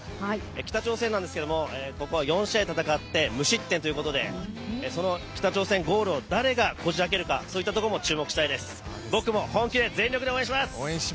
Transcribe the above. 北朝鮮なんですけれども、ここ４試合戦って無失点ということで、その北朝鮮ゴールを誰がこじあけるか、そういったところも注目したいです、僕も本気で、全力で応援します！